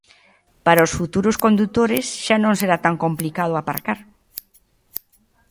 Para os futuros condutores xa non será tan complicado aparcar.